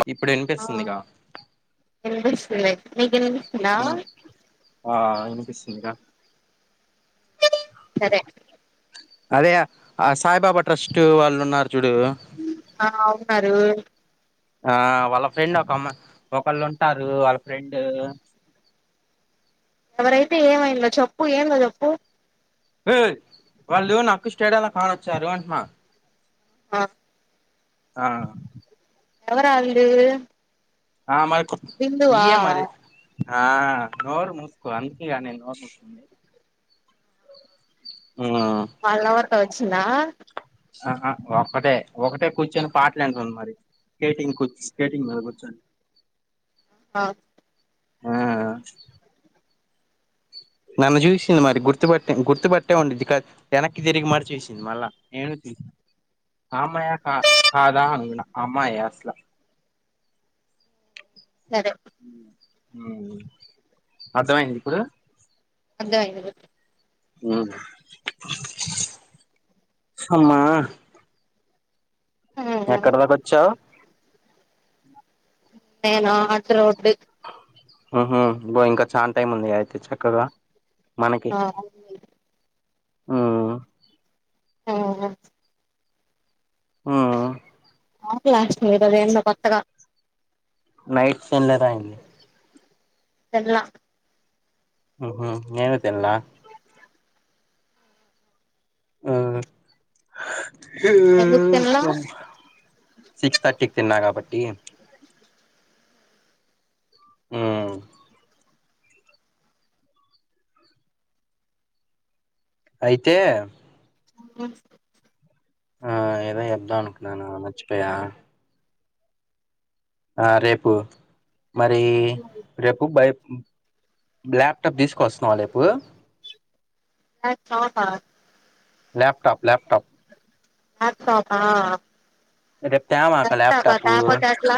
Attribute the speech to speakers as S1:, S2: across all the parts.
S1: లో ఇప్పుడు ఇనిపిస్తుందిగా
S2: ఇనిపిస్తుది మీకిన్పిస్తుందా
S1: ఉమ్ ఆ ఇనిపిస్తుంది గా
S2: సరే
S1: అదే ఆ సాయిబాబా ట్రస్ట్ వాళ్ళు ఉన్నారు చూడు
S2: అ ఉన్నరూ
S1: ఆ వాళ్ళ ఫ్రెండ్ ఒకమ్ ఒకళ్ళు ఉంటారు వాళ్ళ ఫ్రెండూ
S2: ఎవరైతే ఏమైందో చెప్పు ఏందో చెప్పు
S1: ఏ వాళ్ళు నాకు స్టేడయంలా కానోచ్చారు అంటునా
S2: అ
S1: ఆ
S2: ఎవరానండి
S1: ఆ మరికొ ఇఎ మరి ఆ నోరు మూసుకో అందుకేగా నే నోరు ముూసుకుంది ఉ ఆ
S2: మళ్ళవర్తో వచ్చిందా
S1: ఆహా ఒక్కటే ఒకటే కూర్చొని పాటలిన్టుంది మరి స్కేటింగ్ కు స్కేటింగ్ కూర్చొని
S2: అ
S1: ఆ నన్ను జూసింది మరి గుర్తుపట్టే గుర్తుపట్టే ఉండిది క ఎనక్కి తిరిగి మరిచూసింది మళ్ళా ఏ ధి ఆ అమ్మయ కా కాదా అన్న ఆ అమ్మాయ అస్ల
S2: సరే
S1: ఉ అర్థమైంది ఇప్పుడు
S2: అర్థంమైంది
S1: ఉ అమ్మా
S2: ఉమ్
S1: ఎక్కడ దాకోచ్చావ్
S2: నేనా ఆడ్డ రోడ్డు
S1: హు హు అబ ఇంక చాన్ టైం ఉంది అయితే చక్కగా మనకి
S2: ఆ
S1: హ్మ్
S2: ఉ హు
S1: హ్మ్
S2: నాకు లాస్ట్ అదేన్నో కొత్తగా
S1: నైట్ తిన్లేద అండి
S2: ఎల్లా
S1: ఉహూ నేను తిన్లా ఆ
S2: ఎందుకు తినలా
S1: [inaudible] సిక్స్ థర్టీకి తిన్నా కాబట్టి ఉమ్ అయితే
S2: [inaudible]
S1: ఆ ఏదో చెబ్దామనుకున్నాను మర్చిపోయా ఆ రేపు మరి రేపు బై ల్యాప్టాప్ తీసుకొస్తున్నావా రేపు
S2: [unintelligible]
S1: లాప్టాప్ లాప్టాప్
S2: లాప్టాపా
S1: రేపు
S2: అ
S1: తేమాక
S2: ల్యాప్టాప్ తేపోతే ఎట్లా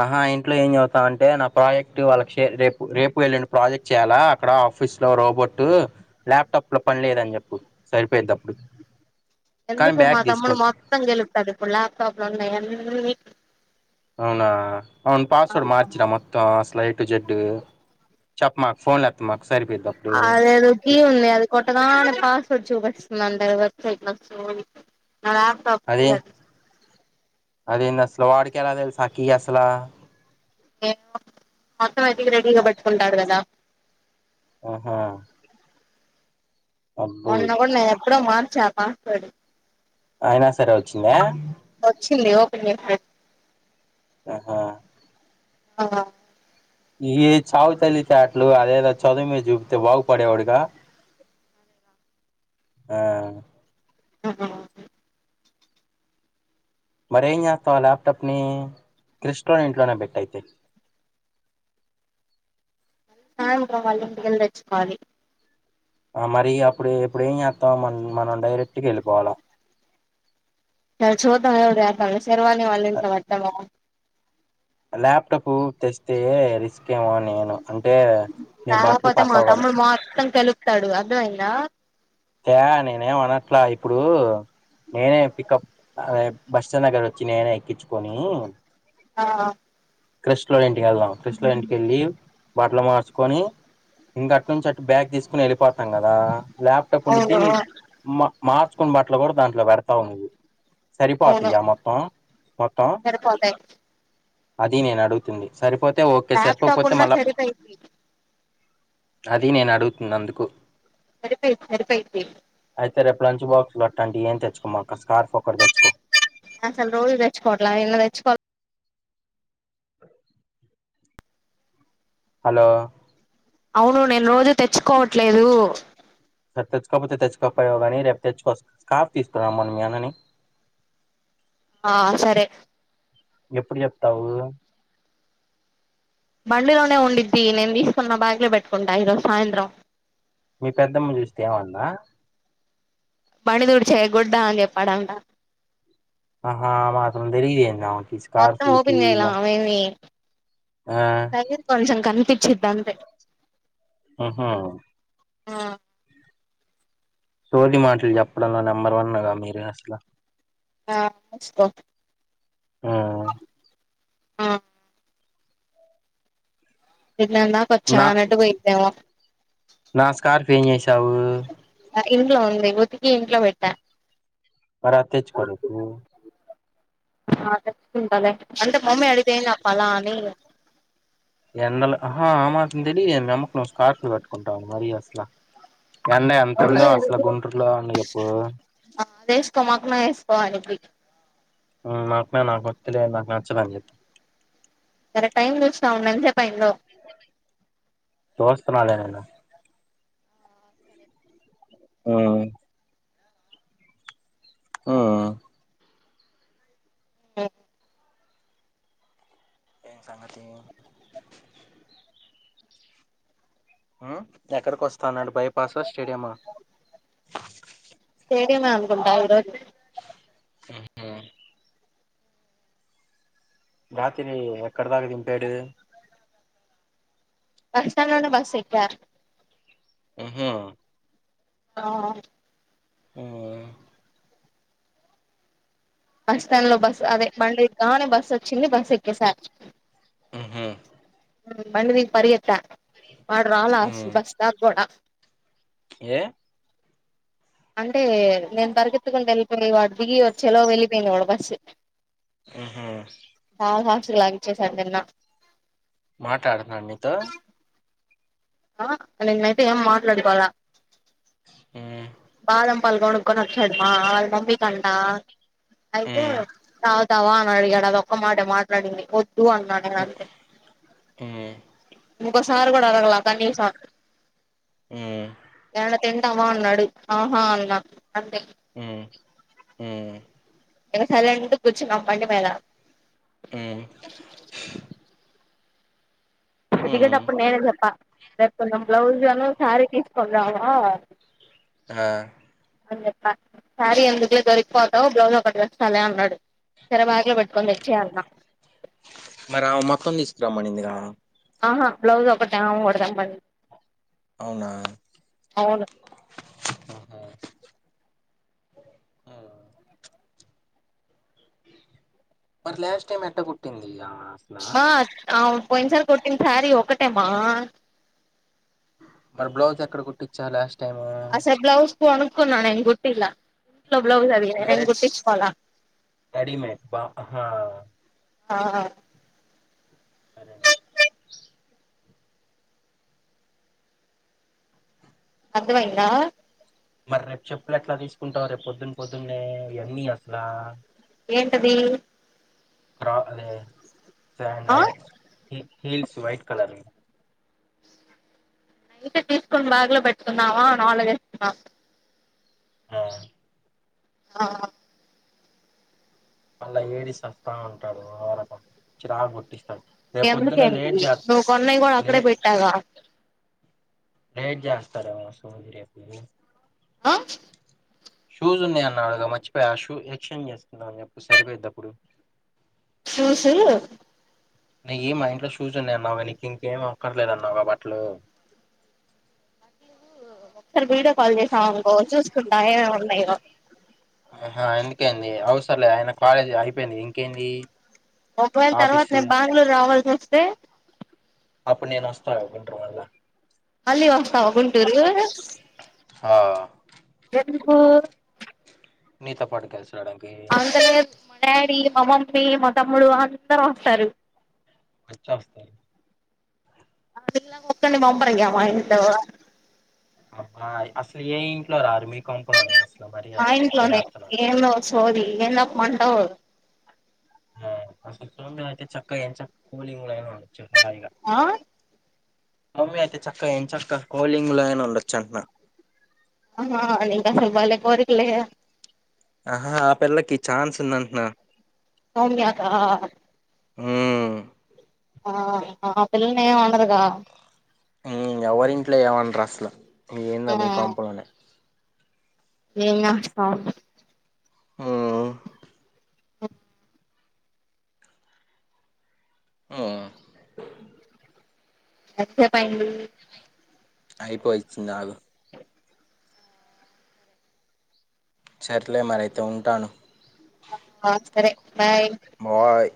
S1: ఆహా ఇంట్లో ఏం చదుతా అంటే నా ప్రాజెక్ట్ వాళ్ళకి రేపు రేపు ఎల్లుండి ప్రాజెక్ట్ చేయాలా అక్కడ ఆఫీస్ లో రోబోట్ ల్యాప్టాప్ లో పని లేదని చెప్పు సరిపోయిందప్పుడు
S2: ఎందుకు మా తమ్ముడు మొత్తం గెలుకుతాడు ఇప్పుడు ల్యాప్టాప్ ఉన్నాయి అన్ని చూసి
S1: అవునా అవును పాస్వడ్ మార్చినామ ఆ స్లైట్ జడ్డు చెప్ మాకు ఫోన్ మాకు సర్పెయ్
S2: అదే కీ ఉంది అది కొట్టదా అ పాస్వర్డ్ చూపిస్తుంది అందరు వెబ్సైట్ లో సోది నా లాప్
S1: అదే అదేందసలు వాడికెలా తెలుసు ఆ కీ అసలు
S2: ఏమో మొత్తం ఎతికి రెడీగా పేట్టుకుంటాడు కదా
S1: ఆహా అబ్బో
S2: మొన్నగూడ నేనెప్పుడో మార్చా పాస్వర్డ్
S1: అయినా సరే వచ్చిందా
S2: వచ్చింది ఓపెన్ చేసి పెట్
S1: ఆహా
S2: ఆ
S1: ఈ చావు తెలివితేటలు అదేదో చదువు మీద చూపితే బాగుపడేవాడుగా ఆ
S2: ఆహా
S1: మరేం చేస్తావు ఆ ల్యాప్టాప్ ని క్రిస్టో ఇంట్లోనే పెట్టయితే
S2: సాయంత్రం వాళ్ళు ఇంటికి వెళ్లి తెచ్చుకోవాలి
S1: మరి అప్పుడు ఎప్పుడు ఏం చేస్తా మ మనం డైరెక్ట్ వెళ్ళిపోవాల
S2: సరే చూద్దాం ఏదోకటి చేద్దాం సర్వాణి వాళ్ళింట్లో పెట్టాలా
S1: ల్యాప్టాప్ తెస్తే రిస్క్ ఏమో నేను అంటే నీ బట్టలు
S2: రాకపోతే మా
S1: పట్టవు కదా
S2: తమ్ముడు మొత్తం గెలుకుతాడు అర్థమయిందా
S1: యా నేనేమనట్లా ఇప్పుడు నేనే పికప్ అ బస్ స్టాండ్ దగ్గర వచ్చి నేనే ఎక్కించుకొని
S2: ఆ
S1: క్రిస్లో ఇంటికి వెళ్దాం క్రిస్లో ఇంటికి వెళ్ళి బట్టలు మార్చుకొని ఇంకటు నుంచి అటు బ్యాగ్ తీసుకుని వెళ్ళిపోతాం కదా ల్యాబ్ అట్ట కొన్ని
S2: అవును
S1: తిని మా మార్చుకుని బట్టలు కూడా దాంట్లో పెడతావు నువ్వు
S2: అవును
S1: సరిపోతయ్యా మొత్తం మొత్తం
S2: సరిపోతాయి
S1: అది నేను అడుగుతుంది సరిపోతే ఓకే
S2: ల్యాప్టాప్
S1: సరిపోకపోతే
S2: ఉన్నా
S1: మళా
S2: సరిపోయిద్ది
S1: అది నేను అడుగుతుంది అందుకు
S2: సరిపోయిది సరిపోయిద్ది
S1: అయితే రేపు లంచ్ బాక్స్ లట్టాంటి ఏం తెచ్చుకోమాక స్కార్ఫ్ ఒకటి తెచ్చుకో
S2: అసల్ రోజు తెచ్చుకోవట్ల నిన్న తెచ్చుకో
S1: [inaudible] హలో
S2: అవును నేను రోజు తెచ్చుకోవట్లేదూ
S1: సరె తెచ్చుకోకపోతే తెచ్చుకోకపోయావు గాని రేపు తెచ్చుకో స్కార్ఫ్ తీసుకురామ్మను మీ అన్నని [inaudible]
S2: ఆ సరే
S1: ఎప్పుడు చెప్తావూ
S2: బండిలోనే ఉండిద్ది నేను తీసుకుని నా బ్యాగ్ లో పెట్టుకుంటా ఈ రోజు సాయంత్రం
S1: మీ పెద్దమ్మ చూస్తే ఏవందా
S2: బండి తుడిచే గుడ్డ అని చెప్పాడంట
S1: ఆహా ఆ మాత్రం తెలియదేంది ఆమెకి స్కార్ఫ్ల్ కి ఇలా
S2: ఎంవే
S1: ఆ
S2: [unintelligible] కొంచెం కనిపిచ్చిద్దాం
S1: ఉహు
S2: ఊ
S1: సోది మాటలు చెప్పడంలో నెంబర్ వన్ గా మీరు అసల
S2: ఆ [unintelligible]
S1: ఆ
S2: ఆ [unintelligible] దా కొచ్చా
S1: నా
S2: అన్నట్టు పోయిద్దావా
S1: నా స్కార్ఫ్ ఏం చేసావు
S2: అ ఇంట్లో ఉంది ఉతికి ఇంట్లో పెట్టా
S1: మరది తెచ్చుకో రేపు
S2: ఆ తెచ్చుకుంటాలే అంటే మమ్మీ అడిగితే ఏం చెప్పాలా అని
S1: ఎండలు అహా ఆ మాత్రం తెలీదే మీ అమ్మకు నువ్ స్కార్ఫ్ లు కట్టుకుంటావు మరీ అసలా ఎండే ఎంతుందో అసల గుంటూరులో అని చెప్పూ
S2: దేసుకో మొఖం మీద ఏసుకో అనిద్ధి
S1: ఊ అబ్బే నాకొద్దులే నాకు నచ్చదని చెప్పు
S2: సరే టైమ్ చూస్నావన్న ఎంత సేపయిన్దో
S1: చూస్తనాలే నేను ఆ ఆ
S2: ఉ
S1: ఏంటి సంగతి ఉ ఎక్కడికి వస్తాన్నాడు బైపాసు స్టేడియమ
S2: స్టేడియమే అనుకుంటా ఈ రోజు
S1: ఉ ఉ రాత్రి ఎక్కడ దాకా దింపాడు.
S2: బస్ స్టాండ్ లోనే బస్ ఎక్కా?
S1: మ్ ఊ
S2: ఆ
S1: ఊ
S2: బస్ స్టాండ్ లో బస్సు అదే బండి ఎక్కగానే బస్సు వచ్చింది బస్ ఎక్కేసా
S1: మ్ ఊ
S2: బండి దిగి పరిగెత్తా. వాడు రాల అసలు
S1: ఉమ్
S2: బస్ స్టాప్ కూడ
S1: ఏ
S2: అంటే నేను పరికెత్తుకుంటు వెళ్ళిపోయే వాడు దిగి వచ్చేలా వెళ్ళిపోయింది మా బస్సు.
S1: మ్ హూ
S2: చాగు హాక్సిల్లాగ లంచ్ చేశా తిన్నా. [unintelligible]
S1: మాట్లాడుతున్నాడా నీతో
S2: ఆ నిన్నైతే ఏం మాట్లాడుకోలా.
S1: మ్
S2: బాదం పాలు కొనుక్కొని వచ్చాడు. వాళ్ళ మమ్మీ కంట అయితే
S1: హ్మ్
S2: తాగుతావా అని అడిగాడు అదొక్క మాటే మాట్లాడింది వద్దు అన్నా. అంతే
S1: హ్మ్
S2: ఇంకోసారి కూడా అడగలా కనీసం.
S1: మ్
S2: ఏమన్న తింటావా అన్నాడు ఆహా అన్నా అంతే
S1: మ్
S2: సైలెంటు గా కూర్చున్నావు బండి మీద
S1: మ్
S2: [inaudible]
S1: హ్మ్
S2: దిగేటప్పుడు నేనే చెప్పా రేపు కొంచెం బ్లౌజ్ ను సారీ ను తీసుకొని రావా?
S1: ఆ
S2: అ శారీ ఎందుకు లే దొరికిపోతావు బ్లౌజ్ ఒకటి తెస్తాలే అన్నాడు. సరే బ్యాగ్ లో పెట్టుకొని తెచ్చేయ్ అన్నా.
S1: మరి ఆమె మొత్తం తీసుకురామనింది రా
S2: ఆహా బ్లౌజ్ ఒకటా ఇంకోటి తెమ్మను.
S1: అవునా
S2: అవును
S1: ఆహా హ్మ్ మరి లాస్ట్ టైం ఎట్టా కుట్టింది ఇలా
S2: మా ఆ పోయినసారి కుట్టిన శారీ ఒక్కటేమా
S1: మరి బ్లౌజ్ ఎక్కడ కుట్టించావు లాస్ట్ టైము.
S2: అసలు బ్లౌస్ కు కొనుక్కున్నా నేను కుట్టిలా ఇంట్లో బ్లౌస్ అది. నేను
S1: డైరెక్ట్
S2: కుట్టించుకోలా
S1: రెడీమేడ్ బా
S2: ఆహా
S1: అదేన
S2: అర్థమైందా?
S1: మరి రేపు చెప్పులు ఎట్లా తీసుకుంటావు రేపు పొద్దున పొద్దున్నే ఈయన్నీ ఎట్లా
S2: ఏంటది?
S1: కాదు వే
S2: ఆ
S1: అదే హీల్స్ వైట్ కలర్.
S2: టికెట్ తీసుకొని బ్యాగ్ లో పెట్టుకుందామా అని ఆలోచించిస్తున్నా.
S1: ఆ
S2: అ
S1: మళ్ళ ఏడిసి సస్తా ఉంటాడు ఊరక చిరాకు పుట్టిస్తాడు రేపు పొద్దున్న
S2: ఎందుకేంటి
S1: లేట్ చే
S2: నువ్వు కొన్నయి కూడా
S1: లే
S2: అక్కడే పెట్టాగా
S1: రేప్ చేస్తారా ఫోన్ రేపు
S2: ఆ
S1: షూస్ ఉన్నాయి అన్నకదా మర్చిపోయా ఆ షూ ఎక్స్చేంజ్ చేసుందాం అని చెప్పు సరిపోయిద్ది అప్పుడు
S2: షూసు
S1: నీయి మా ఇంట్లో షూస్ ఉన్నాయి అన్నావుగా నీకు ఇంకేం అక్కర్లేదు అన్నావుగా బట్లు
S2: ఒకసారి వీడియో కాల్ చేసావనుకో చూసుకుంటా ఏమేమి ఉన్నయో
S1: ఆహా ఎందుకైంది అవసరలేదు ఆయిన కాలేజీ అయిపోయింది ఇంకేంది
S2: ఒకవేళ తర్వాత
S1: ఆఫీస్
S2: నేను బెంగళూరు రావాల్సి వస్తే
S1: అప్పుడు నేనొస్తాలే గుంటూరు మళ్ళ
S2: మళ్ళీ వస్తావా గుంటూరు
S1: ఆ
S2: ఎందుకు
S1: నీతో పాటు కలిసి రాడానికి
S2: అందురు మా డాడీ మా మమ్మీ మా తమ్ముడు అందరు వస్తారు
S1: అచ్చా వస్తారా
S2: [unintelligible] ఒక్కర్ని పంపరుగ మా ఇంట్లో
S1: అబ్బా అసలు ఏ ఇంట్లో రారు మీ కొంపలోనే అసలు మరీ
S2: మా
S1: అసలు ఇట్ట
S2: ఇంట్లోనే
S1: చేత్తరు
S2: ఏందో సోది [unintelligible]
S1: అసలు సున్నుండలు అయితే చక్కగ ఏం చక్క కో లివింగ్లో అయినా ఉండచ్చు హాయిగా
S2: ఆ
S1: మమ్మీ అయితే చక్కగా ఏం చక్క కో లివింగ్లో అయినా ఉండచ్చు హాయిగా
S2: ఆహ నీకసలు భలే కోరికలే
S1: ఆహా ఆ పిల్లకి ఛాన్స్ ఉందంటున్నా
S2: సౌమ్యకా
S1: ఆ
S2: ఆ ఆ పిల్లనేం అనరుగా
S1: ఉమ్ ఎవరింట్లో ఏమనరు అసలు ఏందో
S2: ఆ
S1: మీ కొంపలోనే
S2: ఏం చేస్తాం
S1: ఆ ఆ
S2: ఎంతసేపు అయ్యింది
S1: అయిపోవచ్చింది ఆగు సర్లే మరైతే ఉంటాను
S2: ఆ సరే బాయ్
S1: మావ